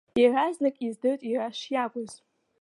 Иаразнак издырт иара шиакәыз.